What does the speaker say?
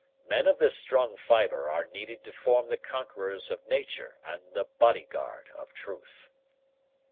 Men of this strong fibre are needed to form the conquerors of nature and the bodyguard of truth."